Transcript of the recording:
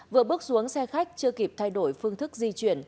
vừa bước xuống xe khách chưa kịp thay đổi phương thức di chuyển